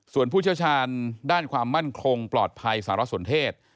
ส่วนผู้เชี่ยวชาญด้านความมั่นคงปลอดภัยสารสนเทศ